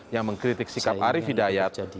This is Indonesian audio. yang mengkritik sikap arief hidayat